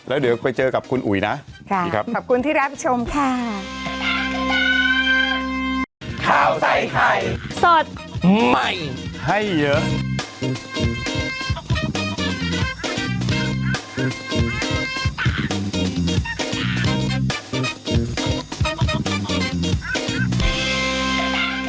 แล้วเดี๋ยวไปเจอกับคุณอุ๋ยนะขอบคุณที่รับชมค่ะ